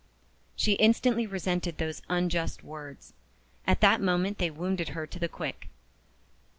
She instantly resented those unjust words. At that moment they wounded her to the quick.